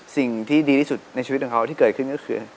สิ่งที่ดีที่สุดในชีวิตของเขาที่เกิดขึ้นก็คือ